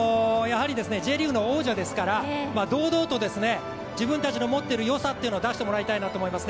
Ｊリーグの王者ですから、堂々と自分たちの持っているよさを出してもらいたいなと思います。